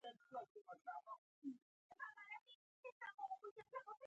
د هغه قصیده د فلک له ناخوالو څخه شکایت کوي